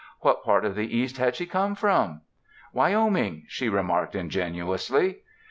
What part of the East had she come from? "Wyoming," she remarked ingenuously.